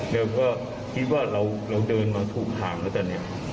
แล้วก็คิดว่าเราเดินมาถูกทางแล้วตอนนี้